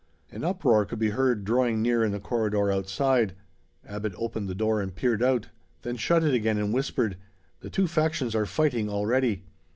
An uproar could be heard drawing near in the corridor outside. Abbot opened the door and peered out; then shut it again and whispered, "The two factions are fighting already."